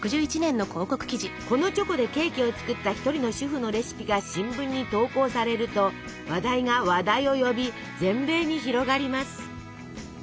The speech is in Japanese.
このチョコでケーキを作った一人の主婦のレシピが新聞に投稿されると話題が話題を呼び全米に広がります。